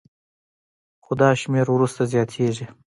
خو دا شمېر وروسته زیاتېږي